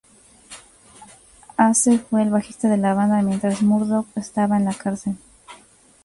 Ace fue el bajista de la banda, mientras Murdoc estaba en la cárcel.